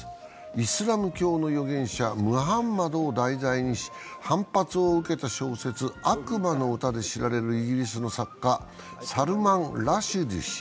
イスラム教の預言者、ムハンマドを題材にし反発を受けた小説「悪魔の詩」で知られるイギリスの作家、サルマン・ラシュディ氏。